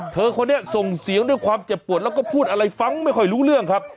เธอคนนี้ส่งเสียงด้วยความเจ็บปวดแล้วก็พูดอะไรฟังไม่ค่อยรู้เรื่องครับ